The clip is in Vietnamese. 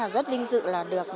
rất linh dự là được